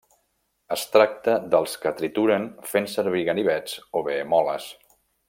Es tracta dels que trituren fent servir ganivets o bé moles.